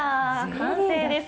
完成です。